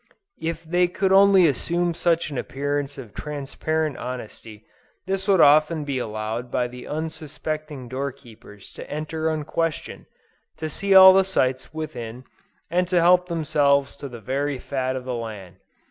If they could only assume such an appearance of transparent honesty, they would often be allowed by the unsuspecting door keepers to enter unquestioned, to see all the sights within, and to help themselves to the very fat of the land.